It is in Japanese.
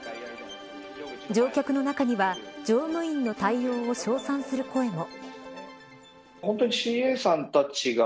乗客の中には乗務員の対応を称賛する声も。